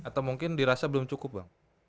atau mungkin dirasa belum cukup bang